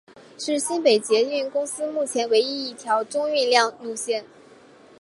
是新北捷运公司目前唯一一条中运量路线。